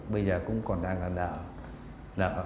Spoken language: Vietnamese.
bây giờ cũng còn đang là